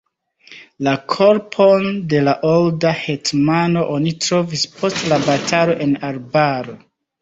La korpon de la olda hetmano oni trovis post la batalo en arbaro.